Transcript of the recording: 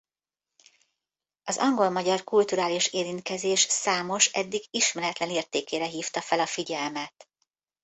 Az angol-magyar kulturális érintkezés számos eddig ismeretlen értékére hívta fel a figyelmet.